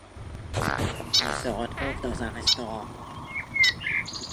Ils se retrouvent dans un restaurant.